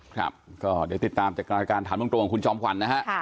ครับก็เดี๋ยวติดตามจากรายการถามตรงของคุณจอมขวัญนะฮะ